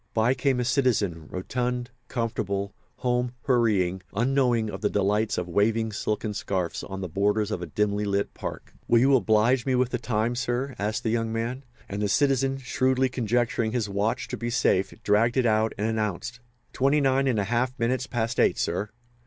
By came a citizen, rotund, comfortable, home hurrying, unknowing of the delights of waving silken scarfs on the borders of dimly lit parks. "Will you oblige me with the time, sir?" asked the young man; and the citizen, shrewdly conjecturing his watch to be safe, dragged it out and announced: "Twenty nine and a half minutes past eight, sir."